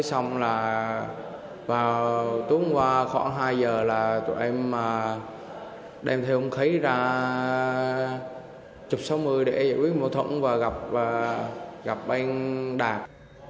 xong là vào tuần qua khoảng hai giờ là tụi em đem theo hung khí ra chụp sáu mươi để giải quyết mâu thuẫn và gặp anh đạt